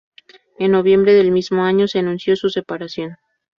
En noviembre del mismo año se anunció su separación.